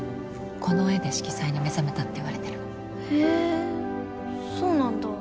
この絵で色彩に目覚めたっていわれてるへえそうなんだ